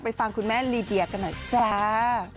ฟังคุณแม่ลีเดียกันหน่อยจ้า